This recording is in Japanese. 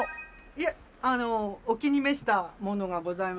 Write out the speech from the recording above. いえお気に召したものがございまして。